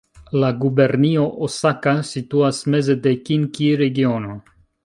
La gubernio Osaka situas meze de Kinki-regiono.